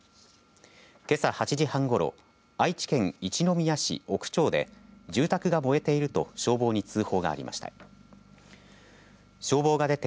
けさ８時半ごろ愛知県一宮市奥町で住宅が燃えていると消防に通報がありました。